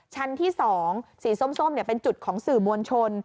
ชั้นที่๒สีส้มเป็นจุดของสื่อมวลชน